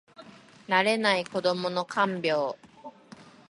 慣れない子どもの看病